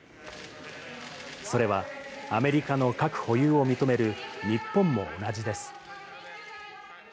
それはアメリカの核保有を認める日本も同じです。